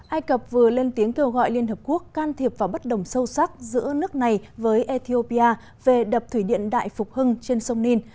ai cập vừa lên tiếng kêu gọi liên hợp quốc can thiệp vào bất đồng sâu sắc giữa nước này với ethiopia về đập thủy điện đại phục hưng trên sông ninh